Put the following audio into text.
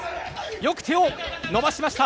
よく手を伸ばしました！